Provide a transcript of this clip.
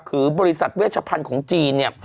คือบริษัทเวชพันธุ์ของจีนเนี่ย